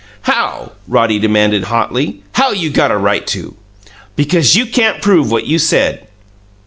"How?" Roddy demanded hotly. "How you got a right to?" "Because you can't prove what you said."